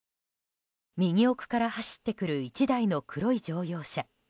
右奥から走ってくる１台の黒い乗用車。